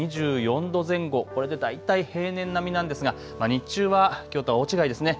２４度前後これで大体平年並みなんですが、日中はきょうとは大違いですね。